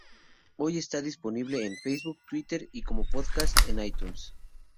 Hoy en día está disponible en Facebook, Twitter y, como podcast, en iTunes.